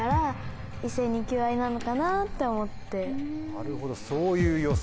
なるほど。